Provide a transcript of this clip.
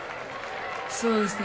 そうですね。